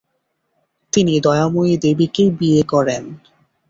তিনি দয়াময়ী দেবী কে বিয়ে করেন ।